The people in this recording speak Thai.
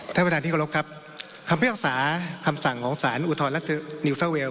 ท่านประธานที่เคารพครับคำพิพากษาคำสั่งของสารอุทธรรัฐนิวเซอร์เวล